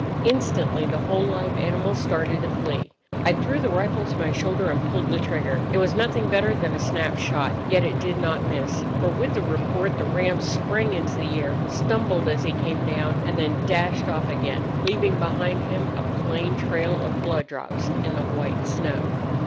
Instantly the whole live animals started to flee. I threw the rifle to my shoulder and pulled the trigger. It was nothing better than a snap shot, yet it did not miss; for with the report the ram sprang into the air, stumbled as he came down, and then dashed off again, leaving behind him a plain trail of blood drops on the white snow.